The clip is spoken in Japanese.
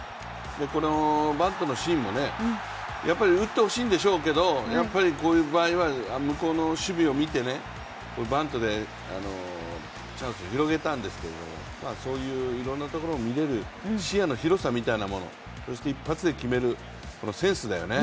バントのシーンも、打ってほしいんでしょうけど、こういう場合は向こうの守備を見て、バントでチャンスを広げたんですけれども、そういういろんなところを見せる視野の広さみたいなものそして一発で決めるセンスだよね。